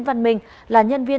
và tôi thích nó